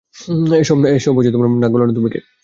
এসবে নাক গলানোর তুমি কে?